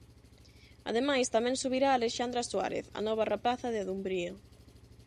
Ademais, tamén subirá Alexandra Suárez, a nova rapaza de Dumbría.